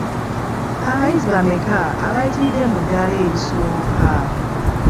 Abayizi bameka abaayitidde mu ddaala erisooka?